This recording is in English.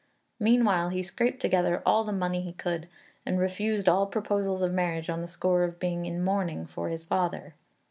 Meanwhile he scraped together all the money he could; and refused all proposals of marriage on the score of being in mourning for his father.